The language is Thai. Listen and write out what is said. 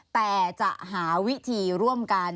แต่จะหาวิธีร่วมกัน